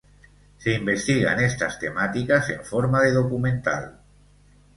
Se investigan estas temáticas en forma de documental.